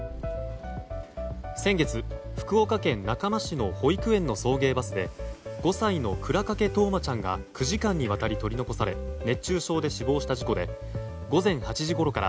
先月、福岡県中間市の保育園の送迎バスで５歳の倉掛冬生ちゃんが９時間にわたり取り残され熱中症で死亡した事故で午前８時ごろから